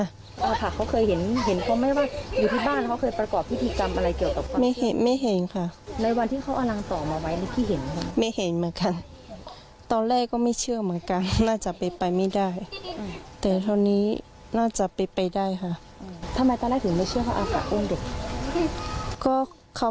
อาผะเขาเคยเห็นเพราะไม่ว่าอยู่ที่บ้านเขาเคยประกอบพิธีกรรมอะไรเกี่ยวกับ